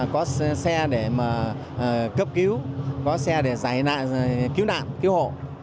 có xe để mà cấp cứu có xe để giải nạn cứu nạn cứu hộ